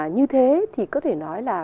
như thế thì có thể nói là